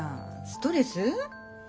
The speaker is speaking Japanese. ストレス？